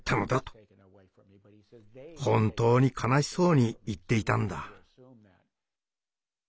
本当に悲しそうに言っていたんだ。